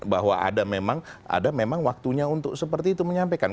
bahwa ada memang waktunya untuk seperti itu menyampaikan